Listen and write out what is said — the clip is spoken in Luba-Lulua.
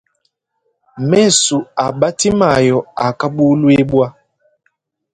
Mesu a batimayo akabuluibua.